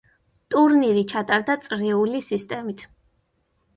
ტურნირი ჩატარდა წრიული სისტემით.